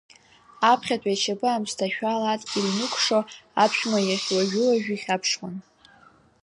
Аԥхьатәи ашьапы аамсҭашәала адгьыл инықәқшо, аԥшәма иахь уажәы-уажәы ихьаԥшуан.